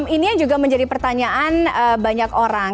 ini yang juga menjadi pertanyaan banyak orang